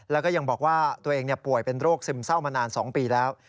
แล้วก็ยังบอกว่าตัวเองป่วยเป็นโรคซึมเศร้ามานาน๒ปีแล้ว